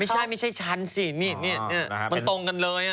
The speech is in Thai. ไม่ใช่ไม่ใช่ฉันสินี่มันตรงกันเลย